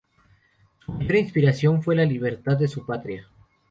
Su mayor inspiración fue la libertad de su patria.